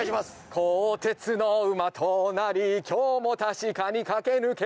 「鋼鉄の馬となり今日も確かに駆け抜ける」